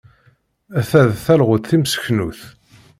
Ta d talɣut timseknut.